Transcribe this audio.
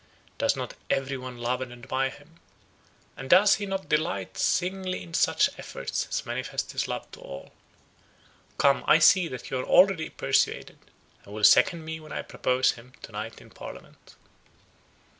Does not every one love and admire him? and does he not delight singly in such efforts as manifest his love to all? Come, I see that you are already persuaded, and will second me when I propose him to night in parliament."